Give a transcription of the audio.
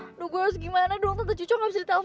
aduh gue harus gimana dong tante cucok gak bisa ditelepon